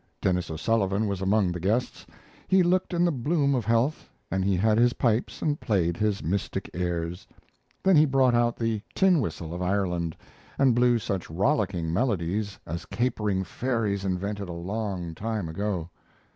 Denis O'Sullivan was among the guests. He looked in the bloom of health, and he had his pipes and played his mystic airs; then he brought out the tin whistle of Ireland, and blew such rollicking melodies as capering fairies invented a long time ago.